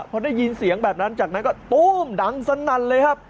พอได้ยินเสียงแบบนั้นจากนั้นก็ตู้มดังสนั่นเลยครับ